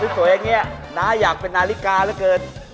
สวยอย่างนี้น้าอยากเป็นนาฬิกาเหลือเกิน